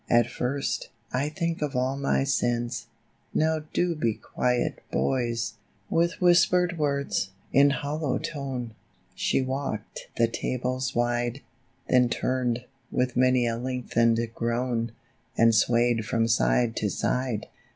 At first, I think of all my sins ; Now do be quiet, boys !" 22 GONE TO HEAVEN. With whispered words, in hollow tone, She walked the tables wide, Then turned, with many a lengthened groan, And swayed from side to side.